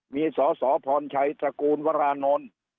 มีสสพรชัยตระกูลวรานนท์